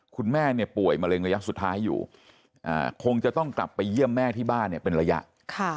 คุณแม่เนี่ยป่วยมะเร็งระยะสุดท้ายอยู่คงจะต้องกลับไปเยี่ยมแม่ที่บ้านเนี่ยเป็นระยะ